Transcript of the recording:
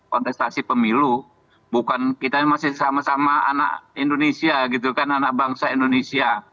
kontestasi pemilu bukan kita masih sama sama anak indonesia gitu kan anak bangsa indonesia